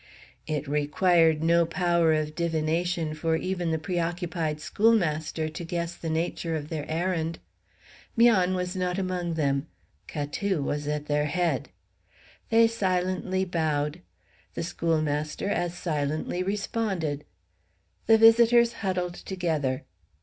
It required no power of divination for even the pre occupied schoolmaster to guess the nature of their errand. 'Mian was not among them. Catou was at their head. They silently bowed. The schoolmaster as silently responded. The visitors huddled together.